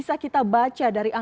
jadi kita akan bisa lihat